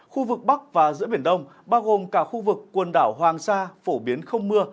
khu vực bắc và giữa biển đông bao gồm cả khu vực quần đảo hoàng sa phổ biến không mưa